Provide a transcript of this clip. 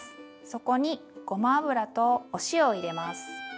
そこにごま油とお塩を入れます。